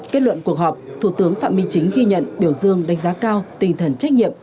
kết luận cuộc họp thủ tướng phạm minh chính ghi nhận biểu dương đánh giá cao tinh thần trách nhiệm